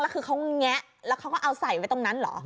แล้วคือเขาแงะแล้วเขาก็เอาใส่ไว้ตรงนั้นเหรอ